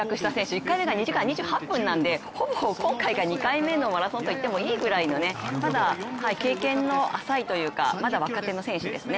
１回目が２時間２８分なんでほぼ今回が２回目のマラソンといってもいいというまだ経験の浅いというかまだ若手の選手ですね。